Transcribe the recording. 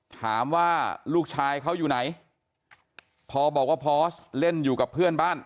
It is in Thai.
ถามว่าลูกชายเขาอยู่ไหนพอบอกว่าพอสเล่นอยู่กับเพื่อนบ้าน